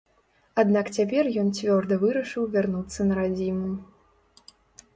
Аднак цяпер ён цвёрда вырашыў вярнуцца на радзіму.